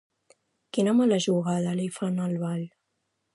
Quina mala jugada li fan al ball?